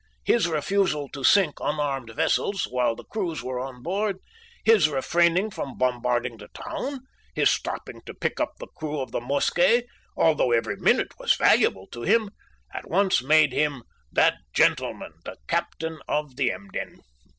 His refusal to sink unarmed vessels while the crews were on board, his refraining from bombarding the town, his stopping to pick up the crew of the Mosquet, although every minute was valuable to him, at once made him 'that gentleman, the Captain of the Emden.'